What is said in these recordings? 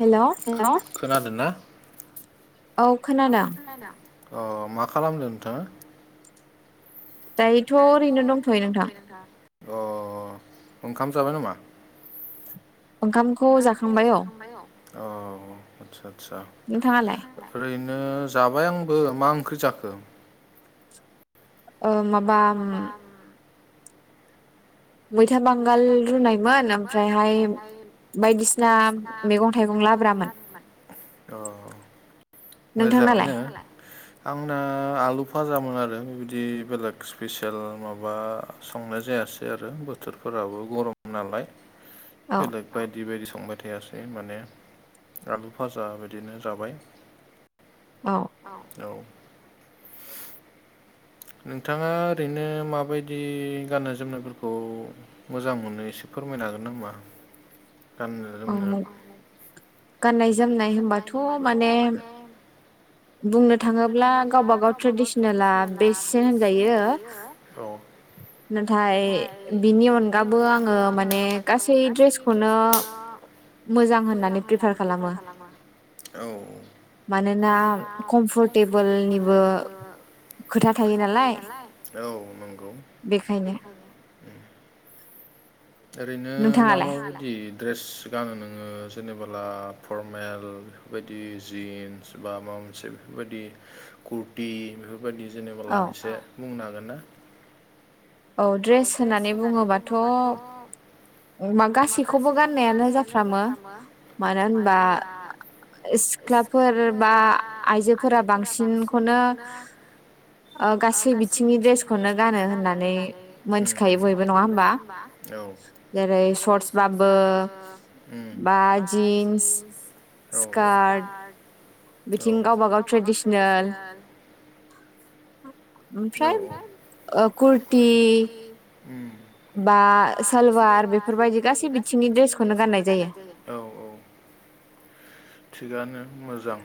Hello. Hello खोनादोंना? औ खोनादों। अ मा खालामदों नोंथांङा? दायोथ' ओरैनो दंथ'यो नोंथां। अ ओंखाम जाबाय नामा? ओंखामखौ जाखांबाय औ। मायाव। औ आटसा आटसा नोंथांआलाइ ओरैनो जाबाय आंबो मा ओंख्रि जाखो ओ माबाम मैथा बांगाल रुनायमोन आमफ्रायहाय बायदिसिना मैगं थाइगं लादुमोन मोजांआनो आंना आलु फाजामोन आरो बिदि बेलेग स्पेसियेल माबा संनाय जायासै आरो बोथोरफोराबो गरम नालाय बेलेग बायदि बायदि संबाय फोथायासै माने आलु फाजा बिदिनो जाबाय औ औ नोंथांआ ओरैनो माबायदि गाननाय जोमनायफोरखौ मोजां मोनो एसे फोरमायनो हागोन ना होमबा गाननो जोमनो गाननाय जोमनाय होमबाथ' माने बुंनो थाङोब्ला गावबागाव ट्रेडिसिनेला बेस बेसो होनजायो औ नाथाय बिनि अनगाबो आङो माने गासै ड्रेसखौनो ओं मोजां होननानै प्रिफार खालामो औ मानोना कमफोरथेबोल खोथा थायो नालाय हायो नालाय औ नोंगौ ओरैनो मा मा बादि दड्रेस गानो नोङो जेनोबोला फरमेल बायदि जिनस बा माबा मोनसे बेफोरबादि कुरटि बेफोर बेबायदि जेनोबाला एसे बुंनो हागोन ना औ दड्रेस होननानै बुङोबाथ' मा गासैखौबो गाननायानो जाफ्रामो मानो होनबा सिख्लाफोर बा आइजोफोरा बांसिनखौनो ओ गासै बिथिंनि ड्रेसखौनो गानो होननानै ओम मोनथिखायो बयबो नङा होमबा जेरै सर्टस बाबो बा जिन्स औ औ स्कार्ट औ बिदिनो गावबा गाव ट्रेडिसनेल ओमफ्राय ओ कुरटि बा सालवार बेफोरबादि गासै बिथिंनि ड्रेसखौनो गाननाय जायो औ औ थिगानो मोजां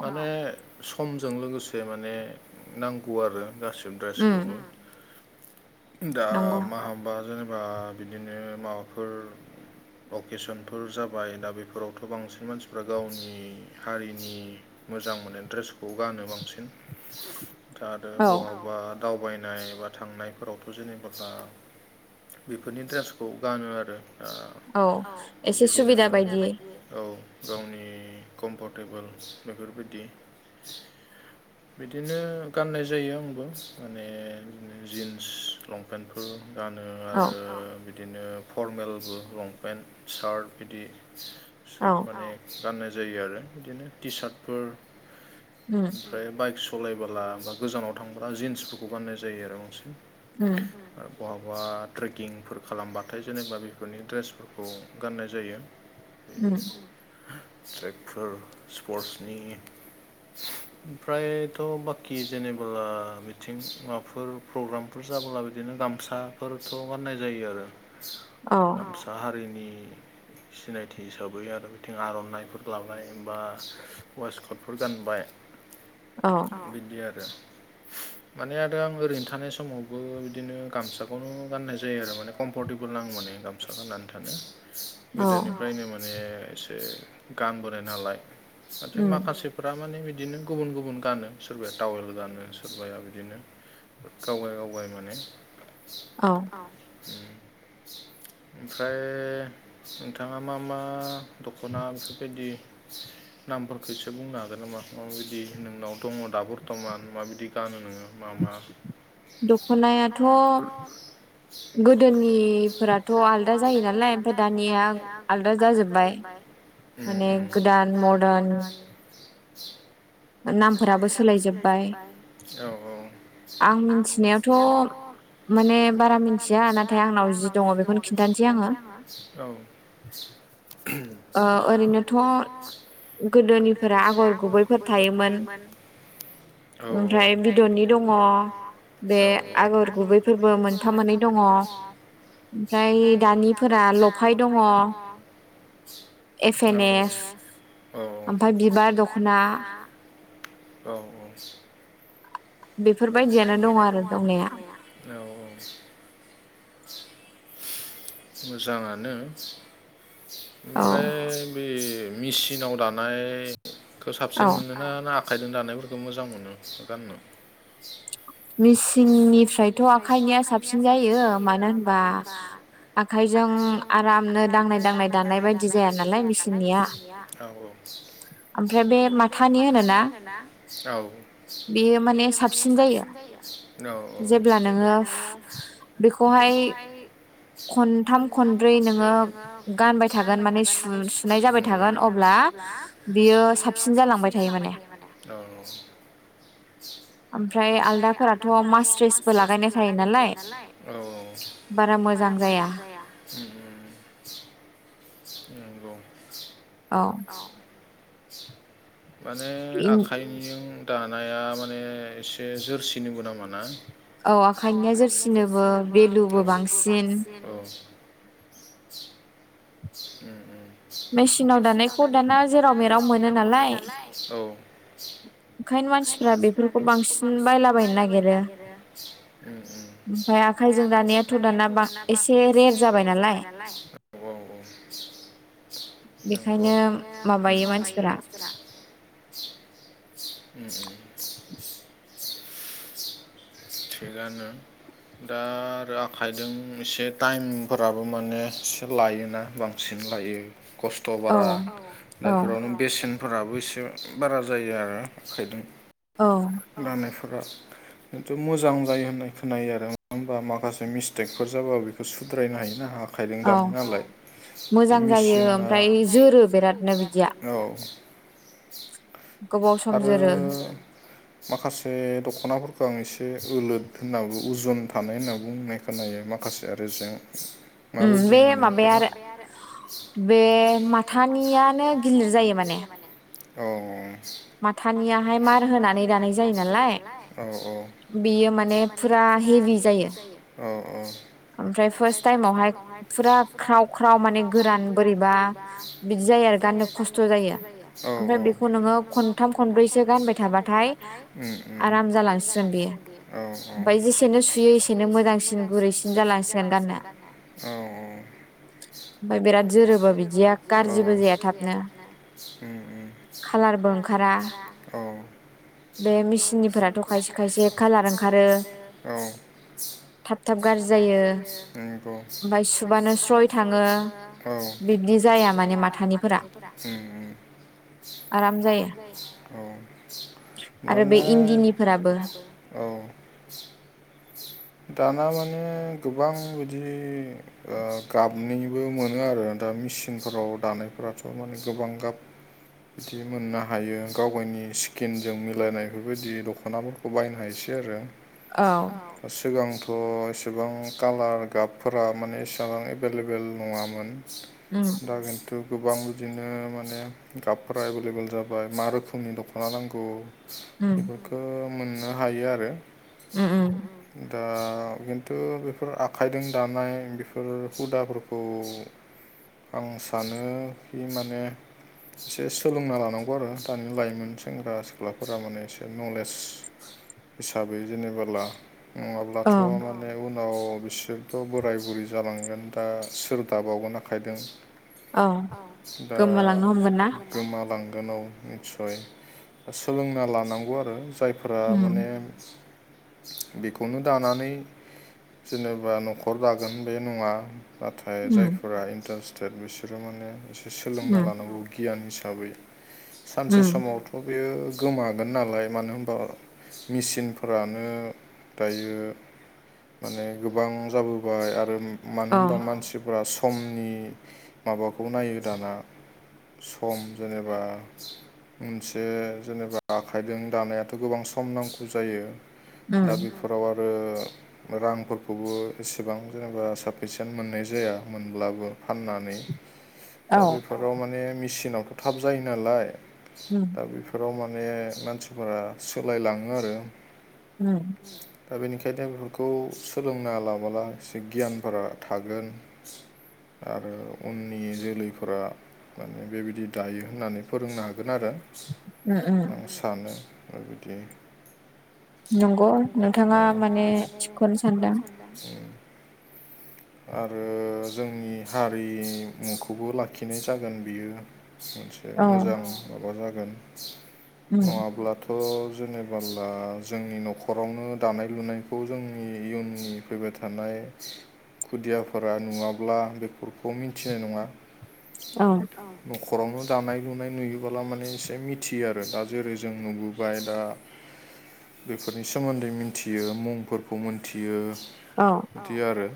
माने ओ समजों लोगोसे माने नांगौ आरो गासिबो द्रेसखौ‌ दा‌ मा होम बा जेनोबा बिदिनो माबाफोर अकेसनफोर जाबाय दा बेफोरावथ' बांसिन मानसिफ्रा गावनि हारिनि मोजां मोनाय ड्रेसखौ गानो बांसिन आरो बहाबा दावबायनाय बा थांनायफोरावथ' जेनोबा दा बेफोरनि द्रेसखौ गानो आरो औ एसे सुबिदा बायदि औ गावनि कमफर्टेबोल बेफोरबादि बिदिनो गाननाय जायो आंबो माने जिन्स लंपे फोर गानो आरो बिदिनो फरमेलबो लंपेन्ट सार्ट बिदि सुट माने गाननाय जायो आरो बिदिनो टि सार्टफोर ओम ओमफ्राय बाइक सालायबोला बा गोजानाव थांबोला जिन्सफोरखौ बाननाय जायो आरो बांसिन। ओम बहाबा ट्रेकिंफोर खालामबाथाय जेनेबा बेफोरनि ड्रेस फोरखौ गाननाय जायो। ट्रेकफोर स्पर्टनि ओमफ्रायथ' बाखि जेनेबोला मिथिं माबाफोर प्रग्राम बुरजाबोला बिदिनो गामसाफोरथ' गाननाय जायो आरो। औ हारिनि सिनायथि हिसाबै आरो बिथिं आर'नाइफोर लाबाय बा अवेचकर्टफोर गानबाय बिदि आरो। माने आरो आं ओरैनो थानाय समावबो बिदिनो गामसाखौनो गाननाय जायो आरो माने कम्फरटेबोल नाङो माने गामसा गाननानै थानो। गोदोनिफ्रायनो माने एसे गानबोनाय नालाय माखासे फोरा माने बिदिनो गुबुन गुबुन गानो सोरबाया टावेल गानो सोरबाया बिदिनो गावबाय गावबाय माने औ ओमफ्राय नोंथाङा मा मा दख'ना बेफोरबायदि नामफोरखौ एसे बुंनो हागोन नामा माबायदि बि नोंनाव दङ दा बर्थ'मान माबायदि गानो नोङो मा मा दख'नायाथ' गोदोनिफोराथ' आलदा जायो नालाय ओमफ्राय दानिया आलदा जाजोबबाय। माने गोदान मर्दान नामफोराबो सोलायजोब्बाय औ औ आं मिथिनायावथ' माने बारा मिथिया नाथाय आंनाव जि दङ बेखौनो खिन्थानोसै आङो औ [inaudible] ओ ओरैनोथ' गोदोनिफोरा आगर गुबै थायोमोन। औ औ ओमफ्राय बिदनि दङ आगर गुबैबो मोनफा मोननै दङ। बा ओमफ्राय दानिफोरा लफाय दङ। एफ एन एफ ओमफ्राय बिबार दख'ना। औ औ बेफोरबायदियानो दं आरो दंनाया औ औ [inaudible] मोजाङानो ओमफ्राय बे मेसिनाव दानायखौ साबसिन मोनोना ना आखाइजों दानायफोरखौ मोजां मोनो गाननो? मेसिननिफ्रायथ' आखाइनिया साबसिन जायो मानो होनबा आखाइजों आरामनो दांनाय दांनाय दानाय बायदि जाया नालाय बिसोरनिया औ औ [inaudible] ओमफ्राय बे माथानि आरोना बेयो माने साबसिन जायो। औ औ जेब्ला नोङो बेखौहाय खनथाम खनब्रै नोङो गानबाय थागोन माने सुनाय जाबाय थागोन ओम अब्ला बेयो साबसिन जालांबाय थायो माने। ओमफ्राय आलदाफोराथ' फोरथ' मास्राइसबो लागायनाय थायो नालाय बारा मोजां जाया। उम उम उम उम नंगौ। औ माने आखाइनिजों दानाया माने एसे जोरसिनिबो नामा ना औ आखाइनिया जोरसिनोबो बेेलुबो बांसिन औ मेसिनाव दानायखौ दाना जेराव मेराव मोनो नालाय ओंखायनो मानसिफ्रा बेफोरखौ बांसिन बायलाबायनो नागिरो ओमफ्राय आखायजों दानायाथ' दाना एसे रेट जाबाय नालाय नंगौ नंगौ नंगौ ओंखायनो माबायो मानसिफोरा [unintelligible] उम थेगानो दा आरो आखाइजों एसे टाइमफोराबो माने एसे लायोना बांसिन बांसिन लायो खस्थ' बारा दा इफोरावनो बेसेनफोराबो एसे बारा जायो आरो आखायजों औ दानायफोरा ' मोजां जायो होननाय खोनायो आरो नङा होनबा माखासे मिस्टेकफोर जाबाबो बेखौ सुद्रायनो हायो ना आखाय आखायदों दानाय नालाय मेसिना औ आरो माखासे दख'नाफोरखौ आं एसे एसे ओलोद होननाबो अजन थानाय होननाबो बुंनाय खोनायो माखासे आरो जें माबायदि माने बेफोर बे माबाया आरो बे माथानियानो गिलिद जायो माने औ माथानियाहाय मार होनानै दानाय जायो नालाय बेयो माने फुरा हेभि जायो औ औ ओमफ्राय फार्स्ट टाइमावहाय फुरा ख्राव ख्राव माने गोरान बोरैबा बिदि जायो आरो गाननो खस्थ' जायो ओमफ्राय बेखौ नोङो खनथाम खनब्रैसो गानबाय थाबाथाय आराम जालांसिगोन ओमफ्राय जिेसेनो सुयो एसेनो मोजांसिन गुरैसिन जालांसिगोन गाननो औ बिराद जोरोबो बिदिया गारजिबो जाया थाबनो कालारबो ओंखारा बे मेसिननिफोराथ' खायसे खायसे कालार खालार ओंखारो थाबथाब गाज्रि जायो ओमफ्राय सुबानो सय थाङो औ बिदि जाया माने माथनिफोरा आराम जायो मानोना आरो बै इनदिनिफोराबो औ दाना माने गोबां बिदि गाबनिबो मोनो आरो दा मेसिनफोराव दानायफोराथ' माने गोबां गाब बिदि मोननो हायो गावावनि स्किनजों मिलायनाय बेफोरबायदि दख'नाफोरखौ बायनो हायोसै आरो सिगांथ' एसेबां कालार गाबफोरा माने एसेबां एभेलेबेल नङामोन दाागोन ' गोबां बिदिनो माने गाबफ्रा एभेलेबेल जाबाय मा रोखोमनि दख'ना नांगौ बेफोरखो मोननो हायो आरो उम उम दा खिन्थु बेफोर आखाइजों दानाय बेफोर हुदाफोरखौ आं सानो बि माने एसे सोलोंना लानांगौ आरो दानि लाइमोन सेंग्रा सिख्लाफोरा माने एसे नलेज हिसाबै जेनेबोला नङाब्लाथ' उनाव बिसोरथ' बोराय बुरि जालांगोन दा सोर दाबावगोन आखायदों औ आदसा गोमालांगोनाव निसय दा सोलोंना लानांगौ आरो जायफोरा माने बेखौनो दानानै जेनेबा न'खर जागोन बे नङा। नाथाय जायफोरा इन्टारेस्टेट बिसोरो माने एसे सोलोंना लानांगौ गियान हिसाबै। सानसे समावथ' बेयो गोमागोन नालाय मानो होनबा मेसिनफोरानो दायो माने गोबां जाबोबाय आरो मानो होनबा मानसिफोरा स समनि माबाखौ नायो दाना सम जेनेबा मोनसे जेनेबा आखाइजों दानायाथ' गोबां सम नांगौ। जायो दा बेफोराव आरो रांफोरखौबो एसेबां जेनेबा साफिसियेन्ट मोननाय जाया मोनब्लाबो फाननानै। दा बेफोराव माने मेचिनावथ' थाब जायो नालाय। उम बेफोराव माने मानसिफोरा सोलायलाङो आरो। उम दा बेनिखायनो बेफोरखौ सोलोंना लाबोाला एसे गियानफोरा थागोन। आरो उननि जोलैफोरा माने बेबायदि दायो होननानै फोरोंनो हागोन आरो। आं सानो बेबायदि नंगौ नोंथाङा माने थिगखौनो सानदों। [unintelligible] आरो जोंनि हारिमुखौबो लाखिनाय जागोन बियो। मोनसे मोजां माबा जागोन नङाब्लाथ' जेनेबा सोरबोला जोंनि न'खरावनो दानाय लुनायखौ जोंनि इयुननि फैबाय थानाय खुदियाफोरा नुवाब्ला बेफोरखौ मिथिनाय नङा। औ न'खरावनो दानाय लुनाय नुयोबोला माने एसे मिथियो आरो दा जेरै जों नुबोबाय दा बेफोरनि सोमोन्दै मिथियो मुंफोरखौ मोनथियो। बिदि आरो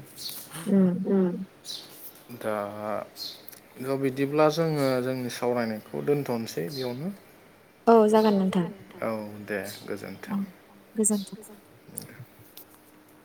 दा दा' बिदिब्ला जोङो जोंनि सावरायनायखौ दोन्थ'नोसै बेयावनो। ज औ दे गोजोन औ गोजोन्थों